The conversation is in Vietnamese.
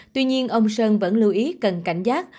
tuy nhiên ông sơn vẫn lưu ý cần cảnh giác